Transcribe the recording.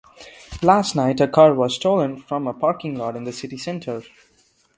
Last night, a car was stolen from a parking lot in the city centre.